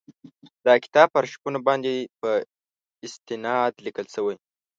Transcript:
دا کتاب پر آرشیفونو باندي په استناد لیکل شوی.